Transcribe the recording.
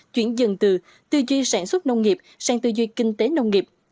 chuyển dần từ tư duy sản xuất nông nghiệp sang tư duy kinh tế nông nghiệp